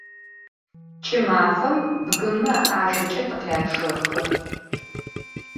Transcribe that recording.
Ç'ımafem bgıme ajjeç'e tıkhyaççexı.